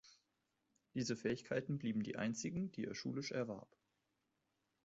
Diese Fähigkeiten blieben die einzigen, die er schulisch erwarb.